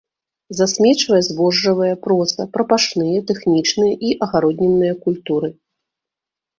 Засмечвае збожжавыя, проса, прапашныя, тэхнічныя і агароднінныя культуры.